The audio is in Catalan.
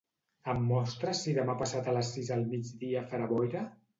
Em mostres si demà passat a les sis al migdia farà boira?